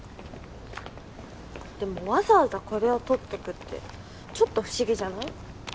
でもわざわざこれを取っとくってちょっと不思議じゃない？